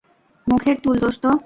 মুখের তুল, দোস্ত।